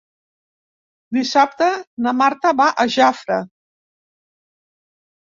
Dissabte na Marta va a Jafre.